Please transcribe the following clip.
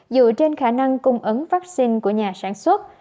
dựa trên khả năng cung ứng vaccine của nhà sản xuất